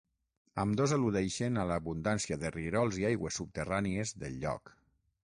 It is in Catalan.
Ambdós al·ludeixen a l'abundància de rierols i aigües subterrànies del lloc.